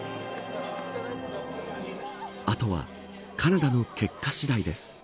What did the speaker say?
あとはカナダの結果次第です。